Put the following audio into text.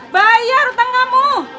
bayar utang kamu